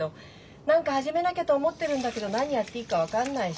何か始めなきゃと思ってるんだけど何やっていいか分かんないし。